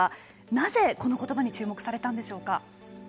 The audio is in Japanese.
なぜこのことばに注目されたんでしょうか。